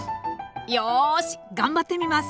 よし頑張ってみます。